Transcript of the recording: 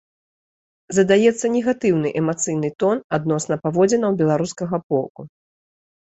Задаецца негатыўны эмацыйны тон адносна паводзінаў беларускага боку.